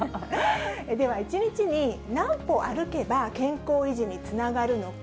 では、１日に何歩歩けば健康維持につながるのか。